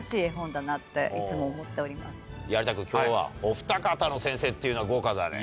有田君今日はおふた方の先生っていうのは豪華だね。